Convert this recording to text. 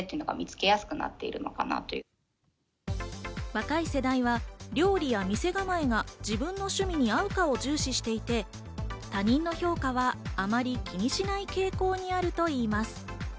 若い世代は料理や店構えが自分の趣味に合うかを重視していて、他人の評価はあまり気にしない傾向にあるといいます。